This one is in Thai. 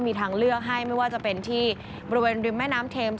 มีทางเลือกให้ไม่ว่าจะเป็นที่บริเวณริมแม่น้ำเทม